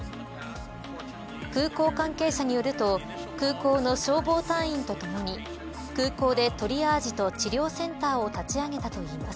空港関係者によると空港の消防隊員とともに空港でトリアージと治療センターを立ち上げたといいます。